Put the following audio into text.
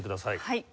はい。